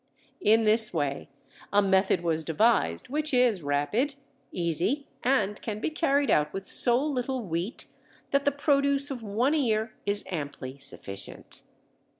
In this way a method was devised which is rapid, easy, and can be carried out with so little wheat that the produce of one ear is amply sufficient.